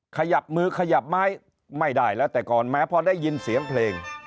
ขยับมือขยับไม้ไม่ได้แล้วแต่ก่อนแม้พอได้ยินเสียงเพลง